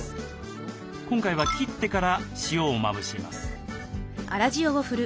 今回は切ってから塩をまぶします。